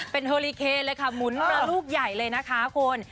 เป็นโฮลิเคเลยค่ะหมุนมาลูกใหญ่เลยนะคะคุณ